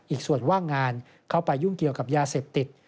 อีกส่วนว่างงานเข้าไปยุ่งเกี่ยวกับยาเสพติด